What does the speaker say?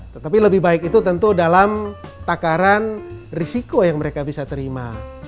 tetapi lebih baik itu tentu dalam takaran risiko yang mereka bisa terima